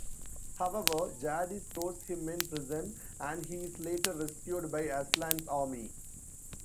However, Jadis throws him in prison and he is later rescued by Aslan's army.